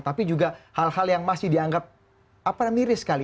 tapi juga hal hal yang masih dianggap miris sekali